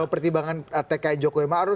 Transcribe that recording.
pertimbangan tki jokowi maru